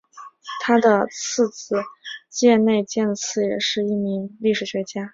他的次子箭内健次也是一名从东京帝国大学毕业的历史学家。